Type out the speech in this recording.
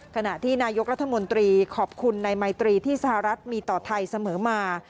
ขณะที่นายกรัฐมนตรีขอบคุณในไมตรีที่สหรัฐมีต่อไทยเสมอมา